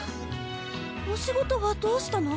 お仕事はどうしたの！？